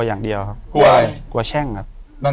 อยู่ที่แม่ศรีวิรัยิลครับ